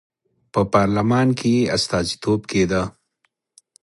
په پارلمان کې یې استازیتوب کېده.